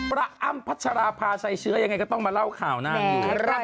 อ้ำพัชราภาชัยเชื้อยังไงก็ต้องมาเล่าข่าวนางอยู่